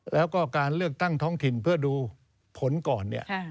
แล้วก็การเลือกตั้งท้องถิ่นเพื่อดูผลก่อนเนี่ย